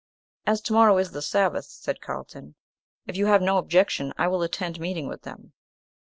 "As to morrow is the Sabbath," said Carlton, "if you have no objection, I will attend meeting with them."